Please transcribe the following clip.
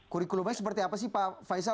kurikulumnya seperti apa sih pak faisal